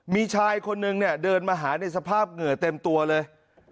มีชายคนนึงเนี่ยเดินมาหาในสภาพเหงื่อเต็มตัวเลย